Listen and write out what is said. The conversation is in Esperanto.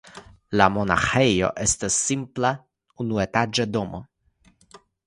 La monaĥejo estas simpla unuetaĝa domo.